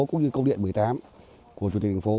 cũng như công điện một mươi tám của chủ tịch thành phố